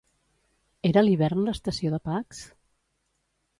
Era l'hivern l'estació de Pax?